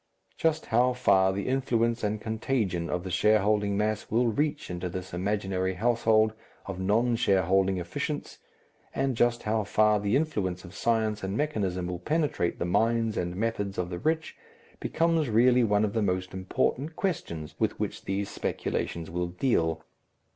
Just how far the influence and contagion of the shareholding mass will reach into this imaginary household of non shareholding efficients, and just how far the influence of science and mechanism will penetrate the minds and methods of the rich, becomes really one of the most important questions with which these speculations will deal.